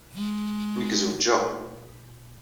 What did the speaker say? Nekk zewjeɣ.